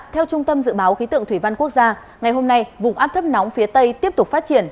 theo trung tâm dự báo khí tượng thủy văn quốc gia ngày hôm nay vùng áp thấp nóng phía tây tiếp tục phát triển